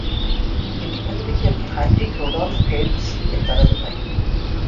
তিনি বিখ্যাত বিজ্ঞানী হাইনরিখ রুডল্ফ হের্ৎস-এর চাচাতো ভাই।